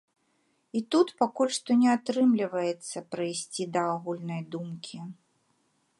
І тут пакуль што не атрымліваецца прыйсці да агульнай думкі.